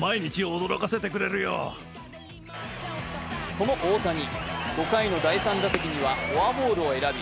その大谷、５回の第３打席にはフォアボールを選び